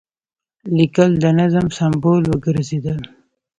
لیکل د نظم سمبول وګرځېدل.